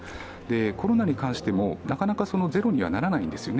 コロナに関しても、なかなかゼロにはならないんですよね。